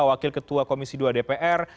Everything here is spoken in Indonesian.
wakil ketua komisi dua dpr